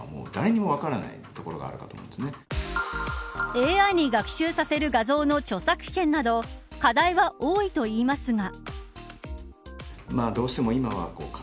ＡＩに学習させる画像の著作権など課題は多いといいますが。